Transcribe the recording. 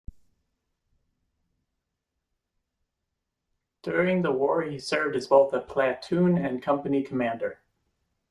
During the war he served as both a platoon and company commander.